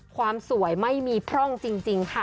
ความสวยไม่มีพร่องจริงค่ะ